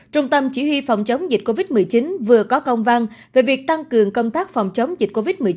trung tâm chỉ huy phòng chống dịch covid một mươi chín vừa có công văn về việc tăng cường công tác phòng chống dịch covid một mươi chín